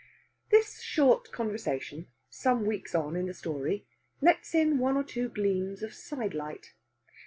This short conversation, some weeks on in the story, lets in one or two gleams of side light.